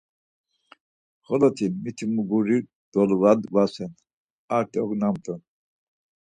Xoloti miti mu guri dolvadvasen arti ognamt̆u.